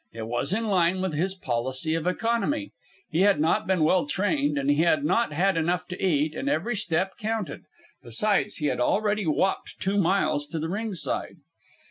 It was in line with his policy of economy. He had not been well trained, and he had not had enough to eat, and every step counted. Besides, he had already walked two miles to the ringside.